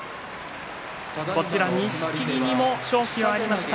錦木にも勝機はありました。